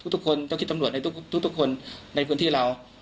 ทุกคนต้องคิดตำรวจในทุกคนในพื้นที่เรา